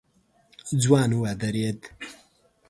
ځوان ودرېد.